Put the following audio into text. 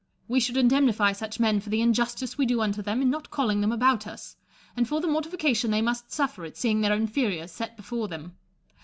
We should indemnify such men for the injustice we do unto them in not calling them about us, and for the mortification they must suffer at seeing their inferiors set before them.